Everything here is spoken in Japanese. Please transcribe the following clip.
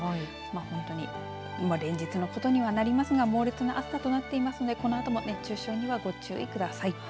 本当に連日のことにはなりますが猛烈な暑さとなっていますのでこのあとも熱中症にはご注意ください。